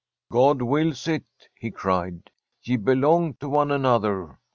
' God wills it/ he cried. ' Ye belong to one another.